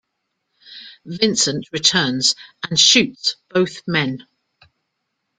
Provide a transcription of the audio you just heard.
Vincent returns and shoots both men.